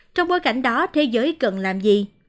trong bối cảnh đó thế giới cần làm gì